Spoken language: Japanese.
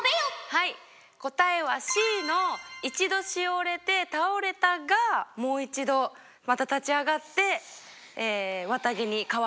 はい答えはＣの一度しおれて倒れたがもう一度また立ち上がって綿毛に変わる。